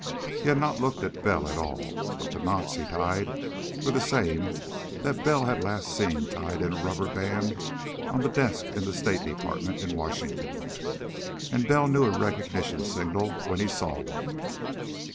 He had not looked at Bell at all, but the knots he tied were the same that Bell had last seen tied in a rubber band on a desk in the State Department in Washington. And Bell knew a recognition signal when he saw one.